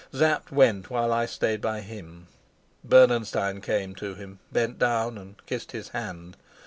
Sapt went while I stayed by him. Bernenstein came to him, bent down, and kissed his hand.